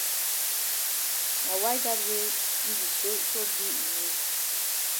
Na why dat wey yi di soso be in need.